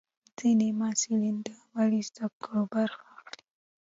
ځینې محصلین د عملي زده کړو برخه اخلي.